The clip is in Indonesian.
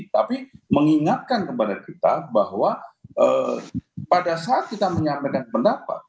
tapi mengingatkan kepada kita bahwa pada saat kita menyampaikan pendapat